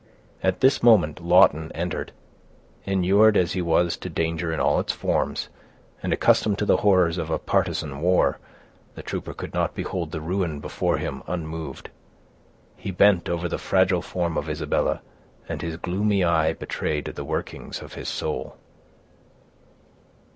At this moment Lawton entered. Inured as he was to danger in all its forms, and accustomed to the horrors of a partisan war, the trooper could not behold the ruin before him unmoved. He bent over the fragile form of Isabella, and his gloomy eye betrayed the workings of his soul.